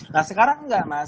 nah sekarang enggak mas